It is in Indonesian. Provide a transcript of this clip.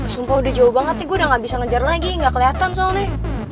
sumpah udah jauh banget nih gue udah ga bisa ngejar lagi ga keliatan soalnya